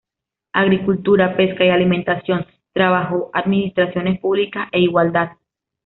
Agricultura, Pesca y Alimentación, Trabajo, Administraciones Públicas e Igualdad.